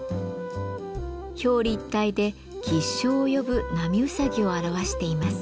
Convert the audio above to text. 表裏一体で吉祥を呼ぶ波うさぎを表しています。